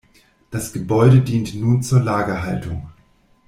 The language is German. Das Gebäude dient nun zur Lagerhaltung.